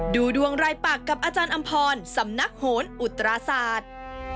ดูดวงรายปากกับอาจารย์อำพรสำนักโหนอุตราศาสตร์